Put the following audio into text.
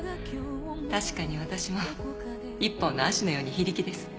確かに私も一本の葦のように非力です。